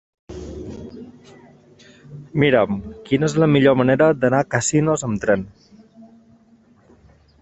Mira'm quina és la millor manera d'anar a Casinos amb tren.